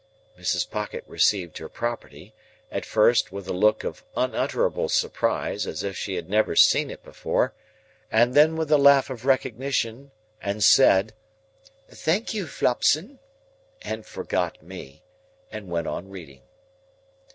Mrs. Pocket received her property, at first with a look of unutterable surprise as if she had never seen it before, and then with a laugh of recognition, and said, "Thank you, Flopson," and forgot me, and went on reading.